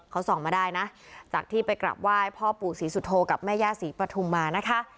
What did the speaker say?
เขาส่องมาได้นะจากที่ไปกราบไหว้พ่อปู่ศรีสุโธกับแม่ย่าศรีปฐุมมานะคะ